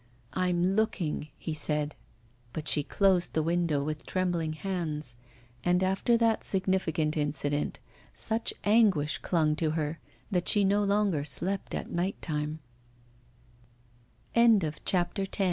'I'm looking,' he said. But she closed the window with trembling hands, and after that significant incident such anguish clung to her that she no longer slept at